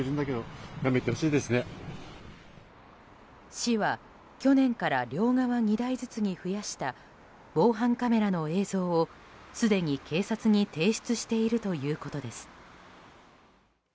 市は去年から両側２台ずつに増やした防犯カメラの映像をすでに警察に提出しているということです。